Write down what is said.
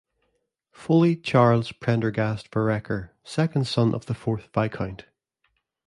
Foley Charles Prendergast Vereker, second son of the fourth Viscount.